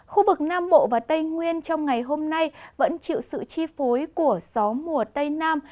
khu vực nam bộ và tây nguyên trong ngày hôm nay vẫn chịu sự chi phối của gió mùa tây nam